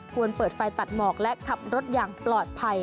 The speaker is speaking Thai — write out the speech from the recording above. ควรเปิดไฟตัดหมอกและขับรถอย่างปลอดภัย